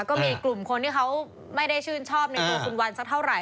ก็มีกลุ่มคนที่เขาไม่ได้ชื่นชอบในตัวคุณวันสักเท่าไหร